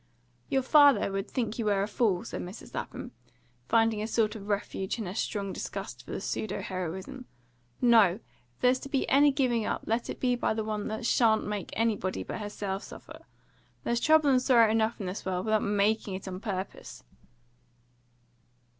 "Your father would think you were a fool," said Mrs. Lapham, finding a sort of refuge in her strong disgust for the pseudo heroism. "No! If there's to be any giving up, let it be by the one that shan't make anybody but herself suffer. There's trouble and sorrow enough in the world, without MAKING it on purpose!"